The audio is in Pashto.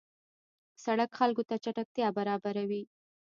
سړک خلکو ته چټکتیا برابروي.